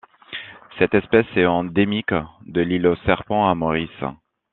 Cette espèce est endémique de l'île aux Serpents à Maurice.